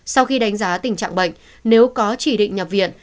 sau khi đánh giá tình trạng bệnh nếu có chỉ định nhập viện